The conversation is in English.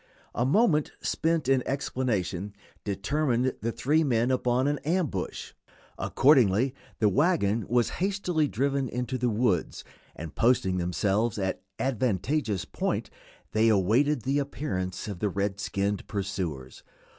A moment spent in explanation determined the three men upon an ambush. Accordingly the wagon was hastily driven into the woods, and posting themselves at an advantageous point they awaited the appearance of the red skinned pursuers.